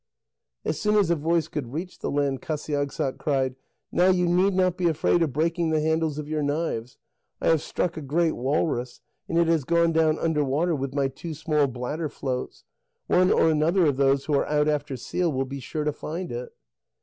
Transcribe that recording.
As soon as a voice could reach the land, Qasiagssaq cried: "Now you need not be afraid of breaking the handles of your knives; I have struck a great walrus, and it has gone down under water with my two small bladder floats. One or another of those who are out after seal will be sure to find it."